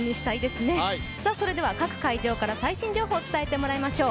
それでは、各会場から最新情報を伝えてもらいましょう。